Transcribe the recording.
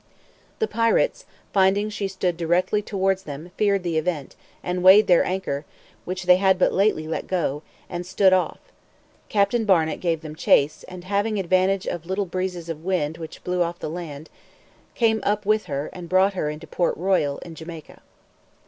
The pirates, finding she stood directly towards them, feared the event, and weighed their anchor, which they had but lately let go, and stood off. Captain Barnet gave them chase, and, having advantage of little breezes of wind which blew off the land, came up with her, and brought her into Port Royal, in Jamaica.